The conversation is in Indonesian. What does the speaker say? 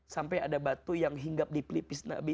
sampai ada batu yang hingga dipelipis nabi